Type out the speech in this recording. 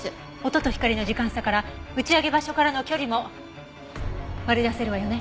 音と光の時間差から打ち上げ場所からの距離も割り出せるわよね？